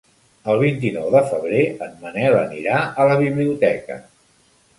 El vint-i-nou de febrer en Manel anirà a la biblioteca.